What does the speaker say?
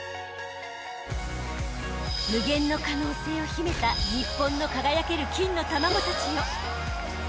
［無限の可能性を秘めた日本の輝ける金の卵たちよ］